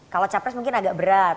kalau capres mungkin agak berat